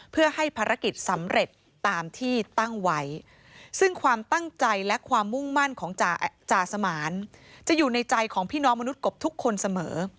เพื่อให้ภารกิจสำเร็จตามที่ตั้งไว้ซึ่งความตั้งใจและความมุ่งมั่นของจ่าสมานจะอยู่ในใจของพี่น้องมนุษย์กบทุกคนเสมอ